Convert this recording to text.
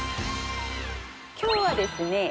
今日はですね